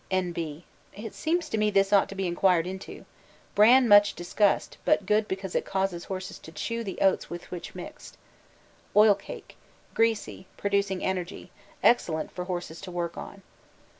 N.B. It seems to me this ought to be inquired into. Bran much discussed, but good because it causes horses to chew the oats with which mixed. Oil cake, greasy, producing energy excellent for horses to work on.